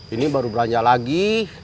ini baru belanja lagi